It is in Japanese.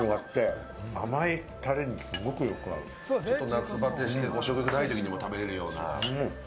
夏バテして食欲がないときにも食べられるような。